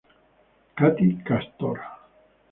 Kathy Castor